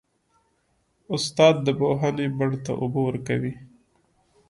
استاد د پوهې بڼ ته اوبه ورکوي.